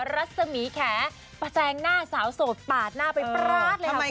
รัศมีแขประแซงหน้าสาวโสดปาดหน้าไปปราดเลย